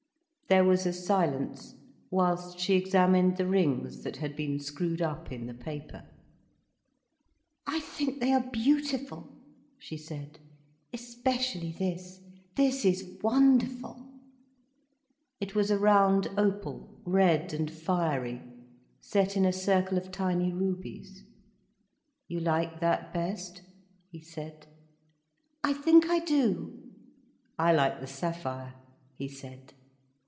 There was a silence, whilst she examined the rings that had been screwed up in the paper. "I think they are beautiful," she said, "especially this. This is wonderful—" It was a round opal, red and fiery, set in a circle of tiny rubies. "You like that best?" he said. "I think I do." "I like the sapphire," he said.